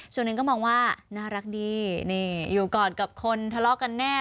ส่วนหนึ่งก็มองว่าน่ารักดีนี่อยู่ก่อนกับคนทะเลาะกันแน่